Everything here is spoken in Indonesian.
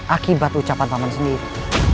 akibat ucapan paman sendiri